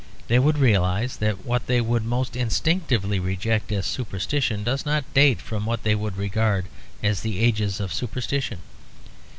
They would realise that what they would most instinctively reject as superstitious does not date from what they would regard as the ages of superstition.